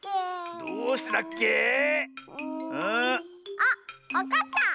あっわかった！